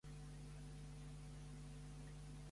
Ajuda'm, Déu.